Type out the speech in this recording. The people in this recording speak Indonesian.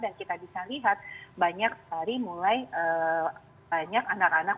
dan kita bisa lihat banyak dari mulai banyak anak anak